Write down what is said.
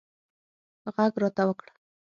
غږ راته وکړه